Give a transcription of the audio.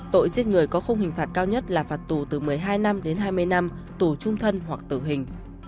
tội giết người có khung hình phạt cao nhất là phạt tù từ một mươi hai năm đến hai mươi năm tù trung thân hoặc tử hình